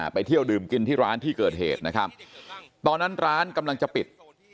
ไปเที่ยวดื่มกินที่ร้านที่เกิดเหตุนะครับตอนนั้นร้านกำลังจะปิด